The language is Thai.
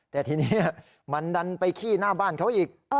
แต่ทีนี้มันดันไปขี้หน้าบ้านเขาอีก